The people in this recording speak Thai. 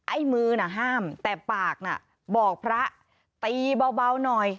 ไอ้มือน่ะห้ามแต่ปากน่ะบอกพระตีเบาหน่อย